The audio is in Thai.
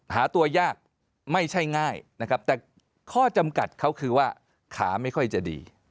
หาตัวยากไม่ใช่ง่ายนะครับแต่ข้อจำกัดเขาคือว่าขาไม่ค่อยจะดี